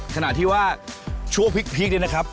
ขนาดที่ว่าชั่วพลิกนี่นะครับ